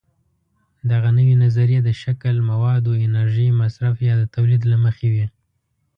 دغه نوې نظریې د شکل، موادو، انرژۍ مصرف یا د تولید له مخې وي.